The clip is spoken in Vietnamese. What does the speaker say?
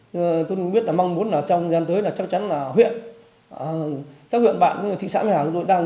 tôi cũng biết là mong muốn là trong gian tới là chắc chắn là huyện các huyện bạn thị xã mỹ hà chúng tôi đang